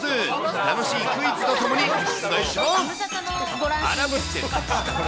楽しいクイズとともに出題します。